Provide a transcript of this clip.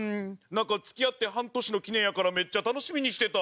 付き合って半年の記念やからめっちゃ楽しみにしてた。